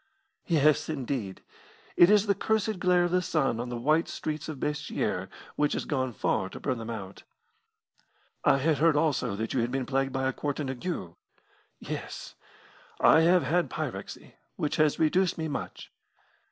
"Yes, indeed. It is the cursed glare of the sun on the white streets of Basseterre which has gone far to burn them out." "I had heard also that you had been plagued by a quartan ague." "Yes; I have had a pyrexy, which has reduced me much."